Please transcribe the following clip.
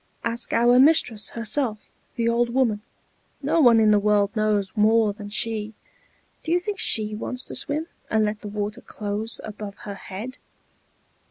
Ask our mistress herself, the old woman; no one in the world knows more than she. Do you think she wants to swim, and let the water close above her head?"